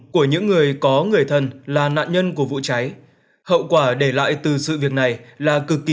của những người có người thân là nạn nhân của vụ cháy hậu quả để lại từ sự việc này là cực kỳ